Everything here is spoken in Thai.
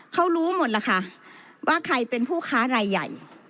เขารู้หมดล่ะค่ะว่าใครเป็นผู้ค้ารายใหญ่